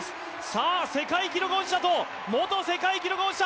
さあ世界記録保持者と元世界記録保持者。